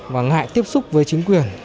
và ngại tiếp xúc với chính quyền